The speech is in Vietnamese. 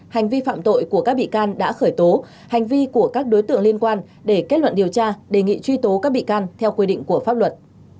hành vi phạm tội của các bị can đã khởi tố hành vi của các đối tượng liên quan để kết luận điều tra đề nghị truy tố các bị can theo quy định của pháp luật